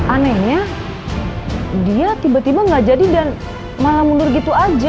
anehnya dia tiba tiba gak jadi dan malah mundur gitu aja